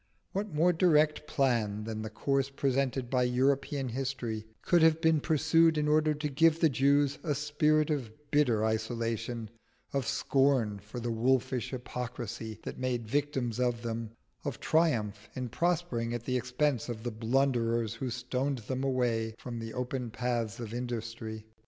What more direct plan than the course presented by European history could have been pursued in order to give the Jews a spirit of bitter isolation, of scorn for the wolfish hypocrisy that made victims of them, of triumph in prospering at the expense of the blunderers who stoned them away from the open paths of industry?